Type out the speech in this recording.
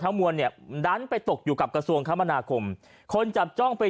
มวลเนี่ยดันไปตกอยู่กับกระทรวงคมนาคมคนจับจ้องไป